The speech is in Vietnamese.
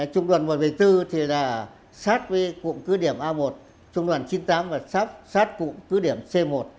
trung đoàn một trăm một mươi bốn thì là sát với cụm cứ điểm a một trung đoàn chín mươi tám và sát cụm cứ điểm c một